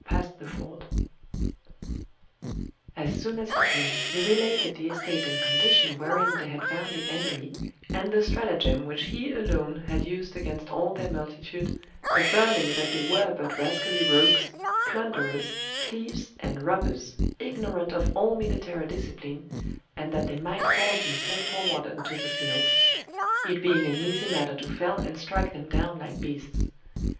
[Illustration: How Gargantua Passed the Ford 1 36 076] As soon as he came, he related the estate and condition wherein they had found the enemy, and the stratagem which he alone had used against all their multitude, affirming that they were but rascally rogues, plunderers, thieves, and robbers, ignorant of all military discipline, and that they might boldly set forward unto the field; it being an easy matter to fell and strike them down like beasts.